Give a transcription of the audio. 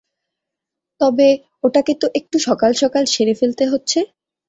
তবে ওটাকে তো একটু সকাল সকাল সেরে ফেলতে হচ্ছে।